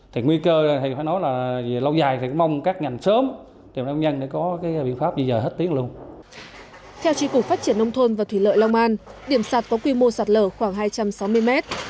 theo tri cục phát triển nông thôn và thủy lợi long an điểm sạt có quy mô sạt lở khoảng hai trăm sáu mươi mét